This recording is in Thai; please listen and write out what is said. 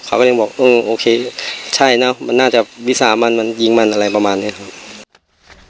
เขาก็ยังบอกเออโอเคใช่เนอะมันน่าจะวิสามันมันยิงมันอะไรประมาณนี้ครับ